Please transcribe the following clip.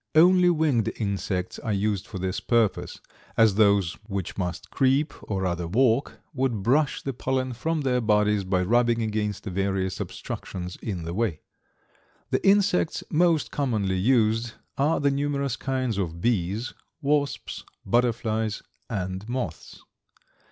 Only winged insects are used for this purpose, as those which must creep, or rather walk, would brush the pollen from their bodies by rubbing against the various obstructions in the way. The insects most commonly used are the numerous kinds of bees, wasps, butterflies, and moths.